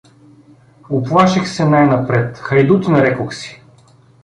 Уплаших се най-напред: хайдутин, рекох си.